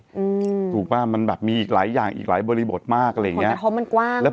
ถูกป่ะมันแบบมีอีกหลายอย่างอีกหลายบริบทมากอะไรอย่างเงี้ยเพราะมันกว้างแล้ว